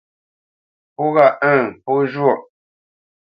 Pó ghâʼ ə̂ŋ pó zhwôʼ.